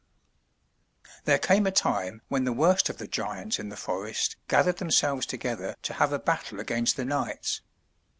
There came a time when the worst of the giants in the forest gathered themselves together to have a battle against the knights.